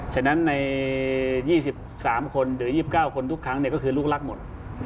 ฉะนั้นใน๒๓คนหรือ๒๙คนทุกครั้งก็คือลูกรักหมด